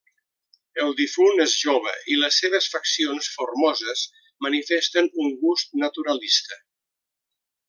El difunt és jove i les seves faccions formoses manifesten un gust naturalista.